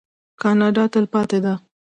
کاناډا تلپاتې ده.